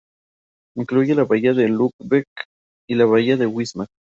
Incluye la bahía de Lübeck y la bahía de Wismar.